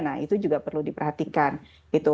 nah itu juga perlu diperhatikan gitu